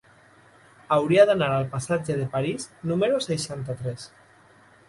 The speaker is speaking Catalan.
Hauria d'anar al passatge de París número seixanta-tres.